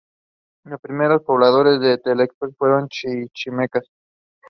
One of her brothers was philosopher and psychologist George Stuart Fullerton.